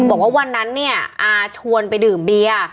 บอกว่าวันนั้นเนี่ยอาชวนไปดื่มเบียร์